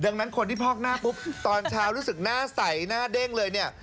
ดังนั้นคนที่พอกหน้าปุ๊บตอนเช้ารู้สึกหน้าใสหน้าเด้งเลยเนี่ย